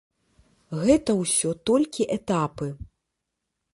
Гэта ўсё толькі этапы.